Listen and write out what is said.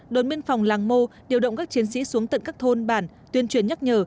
đồn biên phòng làng mô điều động các chiến sĩ xuống tận các thôn bản tuyên truyền nhắc nhở